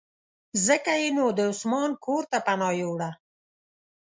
ځکه یې نو د عثمان کورته پناه یووړه.